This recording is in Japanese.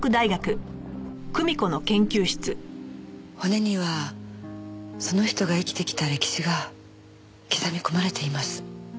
骨にはその人が生きてきた歴史が刻み込まれています。